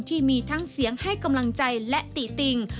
ที่มีทั้งเสียงให้กำลังใจและติติง